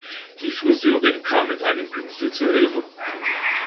Die Friseurin kam mit einem Pinsel zu Hilfe.